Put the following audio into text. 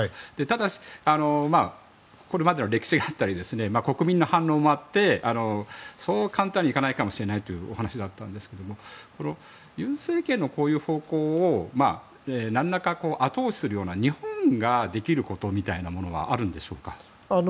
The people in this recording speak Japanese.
ただしこれまでの歴史があったり国民の反応もあってそう簡単にはいかないかもしれないというお話だったんですけども尹政権のこういう方向を何らか後押しするような日本ができることみたいなのはあるんでしょうか。